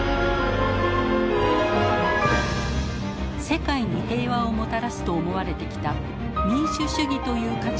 世界に平和をもたらすと思われてきた民主主義という価値観も揺らいでいます。